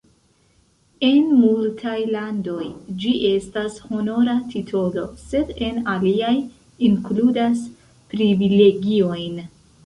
En multaj landoj, ĝi estas honora titolo, sed en aliaj inkludas privilegiojn.